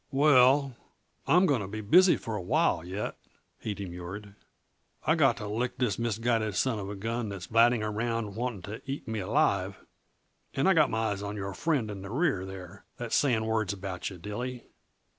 "Well, I'm going to be busy for a while yet," he demurred. "I've got to lick this misguided son of a gun that's blatting around wanting to eat me alive and I got my eyes on your friend in the rear, there, that's saying words about you, Dilly.